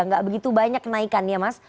tidak begitu banyak kenaikan ya mas